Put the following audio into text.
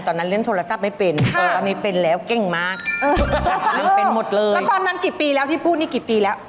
ต่อจากเหตุการณ์วันนั้นเป็ยังไง